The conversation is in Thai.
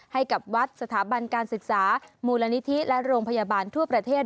ให้กับวัดสถาบันการศึกษามูลนิธิและโรงพยาบาลทั่วประเทศ